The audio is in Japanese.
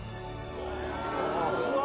うわ！